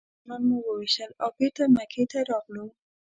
درې شیطانان مو وويشتل او بېرته مکې ته راغلو.